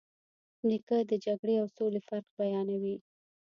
نیکه د جګړې او سولې فرق بیانوي.